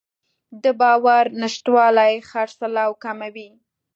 د باور نشتوالی خرڅلاو کموي.